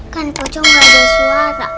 kan pucung gak ada suara